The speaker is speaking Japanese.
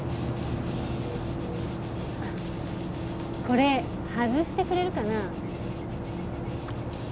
これ外してくれるかな？